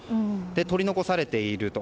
取り残されていると。